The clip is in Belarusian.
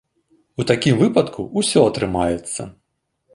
У такім выпадку ўсё атрымаецца.